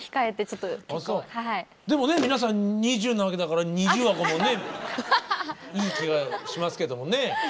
でもね皆さんＮｉｚｉｕなわけだから二重あごもねいい気がしますけどもね。